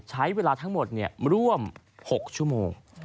ใช้เวลาทั้งหมดร่วม๖ชั่วโมง